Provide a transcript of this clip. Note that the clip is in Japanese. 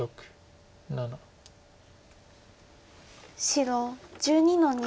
白１２の二。